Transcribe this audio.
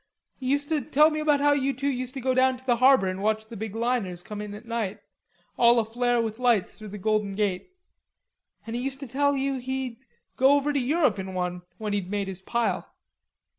He used to tell me about how you two used to go down to the harbor and watch the big liners come in at night, all aflare with lights through the Golden Gate. And he used to tell you he'd go over to Europe in one, when he'd made his pile."